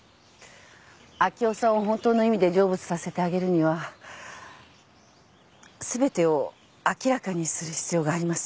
明生さんを本当の意味で成仏させてあげるには全てを明らかにする必要があります。